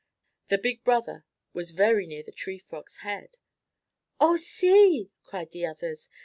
The big brother was very near the Tree Frog's head. "Oh, see!" cried the others.